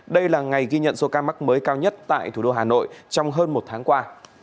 đây là ngày ghi nhận số ca mắc mới cao nhất tại thủ đô hà nội trong hơn một tháng qua